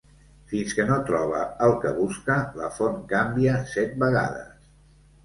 Fins que no troba el que busca la font canvia set vegades.